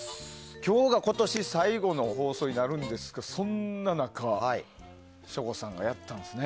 今日が今年最後の放送になるんですがそんな中省吾さんがやったんですね。